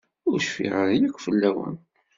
Ur cfiɣ ara yakk fell-wen.